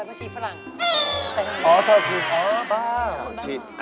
ไม่ใช่ชีฝรั่งอ๋อเธอชีเออบ้า